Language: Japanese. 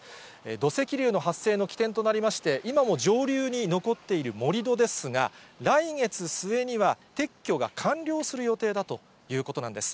土石流の発生の起点となりまして、今も上流に残っている盛り土ですが、来月末には撤去が完了する予定だということなんです。